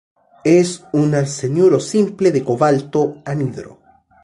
Es un arseniuro simple de cobalto, anhidro.